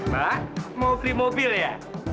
mbak mau beli mobil ya